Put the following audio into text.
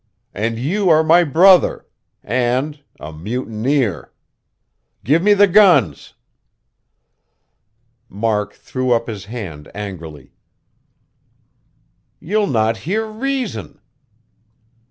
"And you are my brother, and a mutineer. Give me the guns." Mark threw up his hand angrily. "You'll not hear reason.